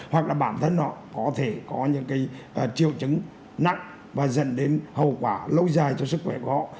hoặc là bản thân họ có thể có những triệu chứng nặng và dẫn đến hậu quả lâu dài cho sức khỏe của họ